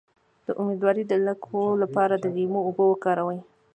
د امیدوارۍ د لکو لپاره د لیمو اوبه وکاروئ